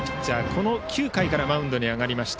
この９回からマウンドに上がりました